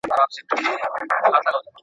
که استاد اجازه ورکړي نو زه به راسم.